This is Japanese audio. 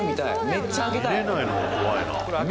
「めっちゃ開けたい！